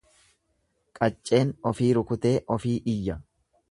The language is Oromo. Qacceen ofii rukutee ofii iyya.